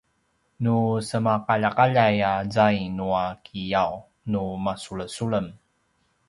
nu semaqaljaqaljay a zaing nua kiyaw nu masulesulem